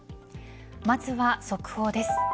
まずは速報です。